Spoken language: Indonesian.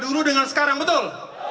dulu dengan sekarang betul